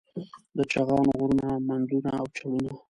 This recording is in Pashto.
د چغان غرونه، مندونه او چړونه